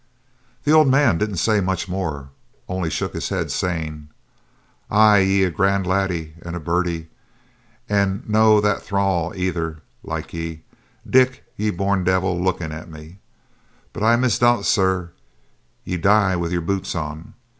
The old man didn't say much more, only shook his head, saying 'Ah, ye're a grand laddie, and buirdly, and no that thrawn, either like ye, Dick, ye born deevil,' looking at me. 'But I misdoot sair ye'll die wi' your boots on.